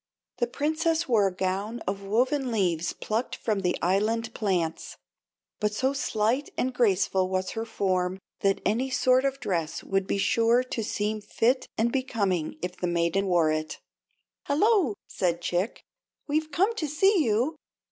The Princess wore a gown of woven leaves plucked from the island plants, but so slight and graceful was her form that any sort of dress would be sure to seem fit and becoming if the maid wore it. "Hello!" said Chick. "We've come to see you."